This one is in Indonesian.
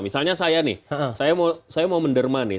misalnya saya nih saya mau menderma nih